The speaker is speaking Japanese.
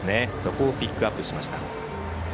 そこをピックアップしました。